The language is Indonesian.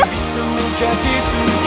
bisa menjadi tujuh